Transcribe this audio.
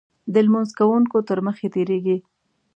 د لمونځ کوونکو تر مخې تېرېږي.